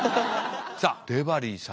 さあデバリーさんが。